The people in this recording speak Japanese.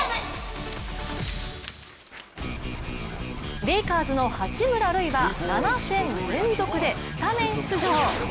レイカーズの八村塁は７戦連続でスタメン出場。